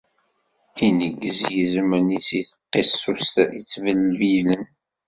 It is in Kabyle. Ineggez yizem-nni seg tqisust yettbelbilen.